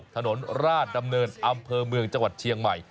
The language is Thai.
ถนนราชดำเนินอำเภอเมืองจังหวัดเชียงใหม่